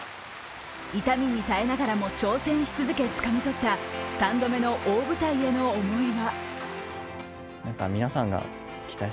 痛みに耐えながらも挑戦し続けつかみ取った３度目の大舞台への思いは。